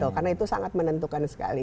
karena itu sangat menentukan sekali